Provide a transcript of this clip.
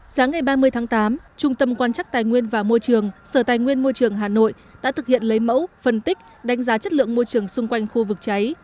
sáng ngày ba mươi tháng tám trung tâm quan chắc tài nguyên và môi trường sở tài nguyên môi trường hà nội đã thực hiện lấy mẫu phân tích đánh giá chất lượng môi trường xung quanh khu vực cháy